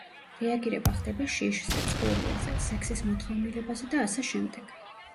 რეაგირება ხდება შიშზე, წყურვილზე, სექსის მოთხოვნილებაზე და ასე შემდეგ.